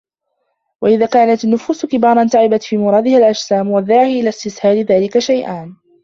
وَإِذَا كَانَتْ النُّفُوسُ كِبَارًا تَعِبَتْ فِي مُرَادِهَا الْأَجْسَامُ وَالدَّاعِي إلَى اسْتِسْهَالِ ذَلِكَ شَيْئَانِ